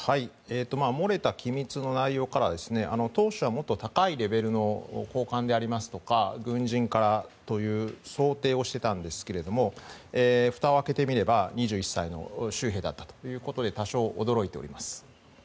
漏れた機密の内容から当初はもっと高いレベルの高官でありますとか軍人からという想定をしてたんですけれどもふたを開けてみれば２１歳の州兵だったということで多少、驚いております。